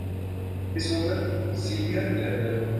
اس وقت کے سینئر جرنیل۔